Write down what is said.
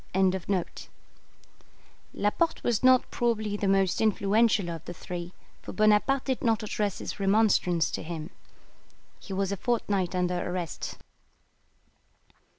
] Laporte was not probably the most influential of the three, for Bonaparte did not address his remonstrance to him. He was a fortnight under arrest.